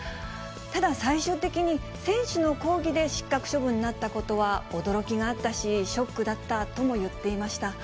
ただ、最終的に選手の抗議で失格処分になったことは驚きがあったし、ショックだったとも言っていました。